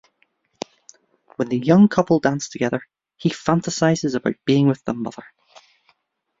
When the young couple dance together, he fantasizes about being with the mother.